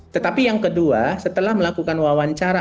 tetapi yang kedua setelah melakukan wawancara